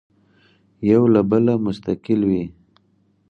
یو له بله مستقل وي.